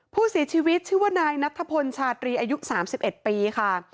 ผู้เสียชีวิตชื่อว่านายนัทพลชาตรีอายุ๓๑ปีค่ะ